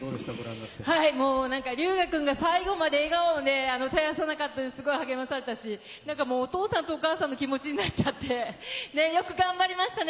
龍芽くんが最後まで笑顔で励まされたし、お父さんとお母さんの気持ちになっちゃって、よく頑張りましたね。